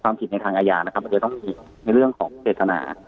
ผิดในทางอาญานะครับมันจะต้องมีในเรื่องของเจตนา